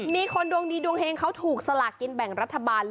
มีคนดวงดีดวงเฮงเขาถูกสลากกินแบ่งรัฐบาล